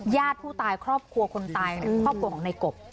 ญาติผู้ตายครอบครัวคนตายหรือครอบครัวของในกบ